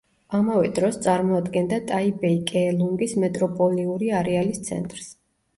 ამავე დროს, წარმოადგენს ტაიბეი–კეელუნგის მეტროპოლიური არეალის ცენტრს.